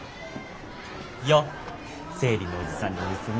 よっ生理のおじさんの娘。